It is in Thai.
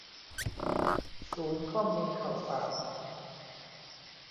ศูนย์ข้อมูลข่าวสาร